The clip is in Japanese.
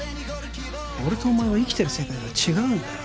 俺とお前は生きてる世界が違うんだよ